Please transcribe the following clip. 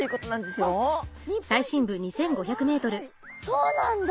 そうなんだ。